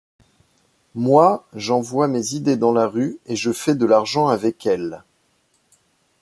Moi, j'envoie mes idées dans la rue et je fais de l'argent avec elles.